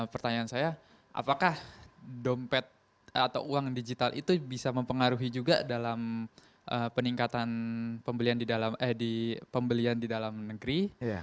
pertanyaan saya apakah dompet atau uang digital itu bisa mempengaruhi juga dalam peningkatan pembelian di dalam negeri